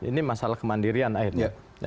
ini masalah kemandirian akhirnya